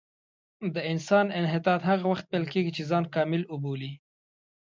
د انسان انحطاط هغه وخت پیل کېږي چې ځان کامل وبولي.